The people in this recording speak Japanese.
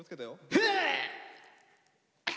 フッ！